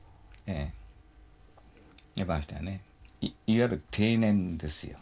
いわゆる諦念ですよ。